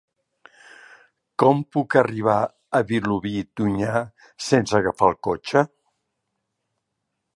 Com puc arribar a Vilobí d'Onyar sense agafar el cotxe?